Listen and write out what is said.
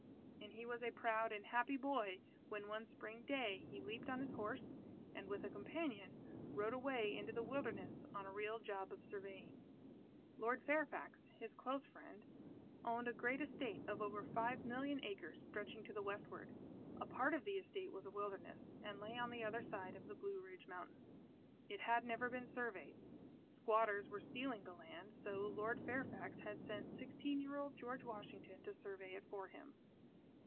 And he was a proud and happy boy when, one spring day, he leaped on his horse, and, with a companion, rode away into the Wilderness on a real job of surveying. Lord Fairfax, his close friend, owned a great estate of over five million acres stretching to the westward. A part of the estate was a wilderness, and lay on the other side of the Blue Ridge Mountains. It had never been surveyed. Squatters were stealing the land. So Lord Fairfax had sent sixteen year old George Washington to survey it for him.